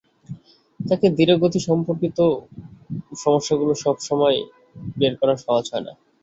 তবে ধীর গতি সম্পর্কিত সমস্যাগুলো সব সময় বের করা সহজ হয় না।